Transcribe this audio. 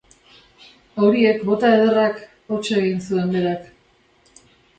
Horiek bota ederrak! Hots egin zuen berak.